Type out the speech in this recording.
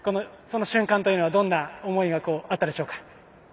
その瞬間というのはどんな思いがあったでしょうか？